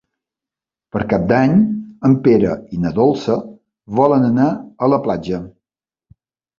Per Cap d'Any en Pere i na Dolça volen anar a la platja.